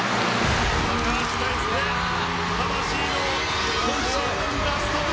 橋大輔魂の今シーズンラストブルース！